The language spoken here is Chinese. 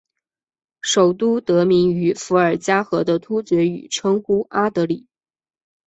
首都得名于伏尔加河的突厥语称呼阿的里。